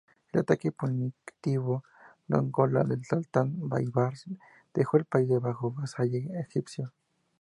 El ataque punitivo a Dongola del sultán Baibars dejó el país bajo vasallaje egipcio.